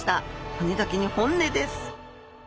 骨だけに本音です。